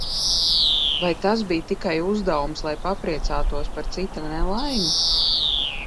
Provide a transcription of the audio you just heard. Vai tas bija tikai uzdevums, lai papriecātos par cita nelaimi?